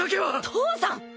父さん！